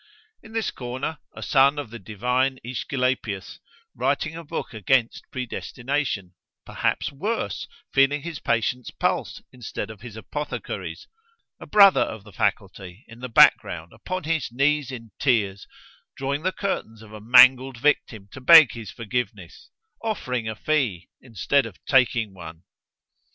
In this corner, a son of the divine Esculapius, writing a book against predestination; perhaps worse—feeling his patient's pulse, instead of his apothecary's——a brother of the Faculty in the back ground upon his knees in tears—drawing the curtains of a mangled victim to beg his forgiveness;—offering a fee—instead of taking one.